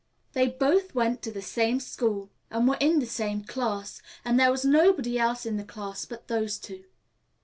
They both went to the same school and were in the same class, and there was nobody else in the class but those two.